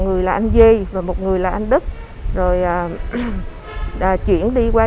ngoài ra nhà của các đối tượng được xây dựng theo kiểu chuồng cọp kiên cố nhiều lớp cửa